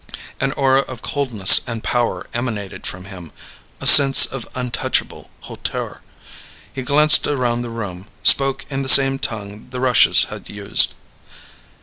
An aura of coldness and power emanated from him a sense of untouchable hauteur. He glanced around the room, spoke in the same tongue the Rushes had used.